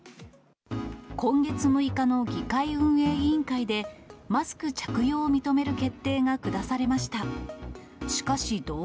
今月６日の議会運営委員会で、マスク着用を認める決定が下されました。